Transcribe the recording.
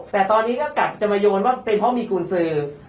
แต่ตอนนี้ก็กลับจะมาโยนว่าเป็นเพราะมีกุญสือ